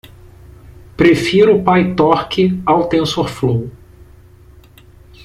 Prefiro o Pytorch ao Tensorflow.